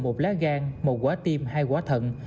một lá gan một quả tim hai quả thận